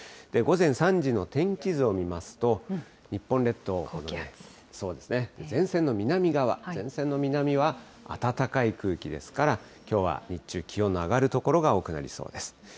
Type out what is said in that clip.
午前３時の天気図を見ますと、日本列島、高気圧、前線の南側、前線の南は暖かい空気ですから、きょうは日中、気温の上がる所が多くなりそうです。